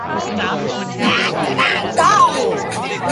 In his debut for Liverpool reserves Larmour scored at the Kop end.